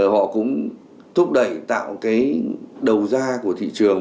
họ cũng thúc đẩy tạo cái đầu ra của thị trường